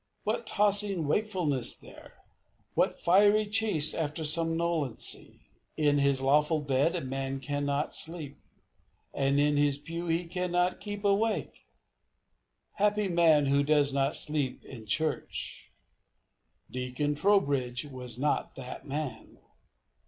What tossing wakefulness there! what fiery chase after somnolency! In his lawful bed a man cannot sleep, and in his pew he cannot keep awake! Happy man who does not sleep in church! Deacon Trowbridge was not that man.